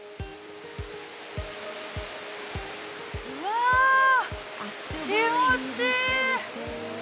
うわぁ、気持ちいい。